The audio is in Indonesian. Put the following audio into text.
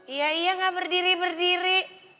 iya iya gak berdiri berdiri